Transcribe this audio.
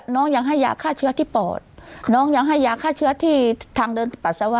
น้องยังให้ยาฆ่าเชื้อที่ปอดน้องยังให้ยาฆ่าเชื้อที่ทางเดินปัสสาวะ